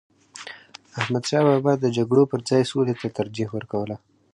احمدشاه بابا د جګړو پر ځای سولي ته ترجیح ورکوله.